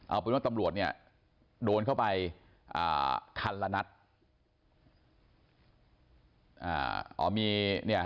เอาปริมณาตำรวจเนี้ยโดนเข้าไปอ่าคันละนัดอ่าอ๋อมี